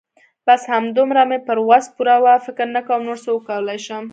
بس همدومره مې پر وس پوره وه. فکر نه کوم نور څه وکولای شم.